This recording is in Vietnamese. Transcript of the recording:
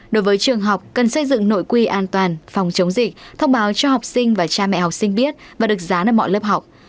đối với trường học cần xây dựng nội quy an toàn phòng chống dịch thông báo cho học sinh và cha mẹ học sinh biết và được dán ở mọi lớp học